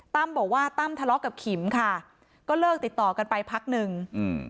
บอกว่าตั้มทะเลาะกับขิมค่ะก็เลิกติดต่อกันไปพักหนึ่งอืม